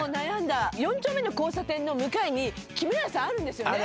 ４丁目の交差点の向かいに木村家さんあるんですよね。